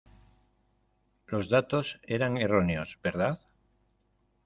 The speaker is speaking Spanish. Los datos eran erróneos, ¿verdad?